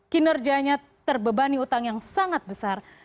kinerjanya terbebani utang yang sangat besar